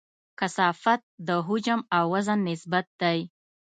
کثافت د حجم او وزن نسبت دی.